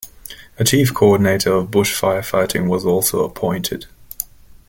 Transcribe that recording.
A Chief Co-ordinator of Bush Fire Fighting was also appointed.